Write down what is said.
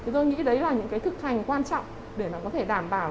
tôi nghĩ đấy là những thực hành quan trọng để có thể đảm bảo